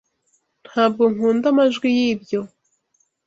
Ntabwo nkunda amajwi yibyo.